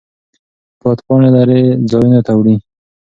باد پاڼې لرې ځایونو ته وړي.